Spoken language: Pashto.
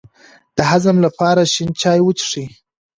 د هضم لپاره شین چای وڅښئ